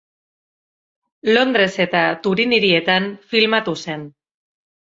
Londres eta Turin hirietan filmatu zen.